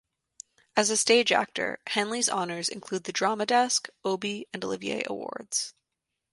As a stage actor, Henley's honors include the Drama Desk, Obie, and Olivier Awards.